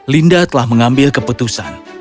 linda telah mengambil keputusan